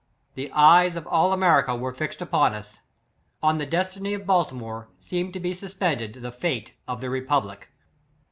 The eyes of all America were fixed upon us! On the destiny of Baltimore seemed to be suspended the fate of the republic!